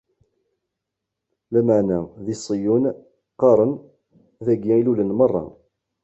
Lameɛna di Ṣiyun, qqaren: dagi i lulen merra.